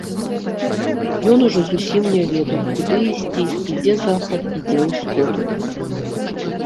Ён ужо зусім не ведаў, куды ісці, і дзе захад, і дзе ўсход.